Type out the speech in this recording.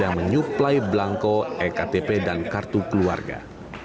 yang menyuplai belangko ektp dan kartu keluarga